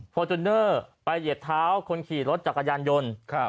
จูเนอร์ไปเหยียบเท้าคนขี่รถจักรยานยนต์